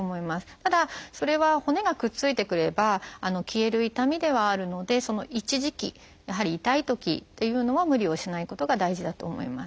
ただそれは骨がくっついてくれば消える痛みではあるのでその一時期やはり痛いときというのは無理をしないことが大事だと思います。